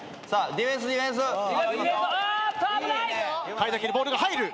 貝崎にボールが入る。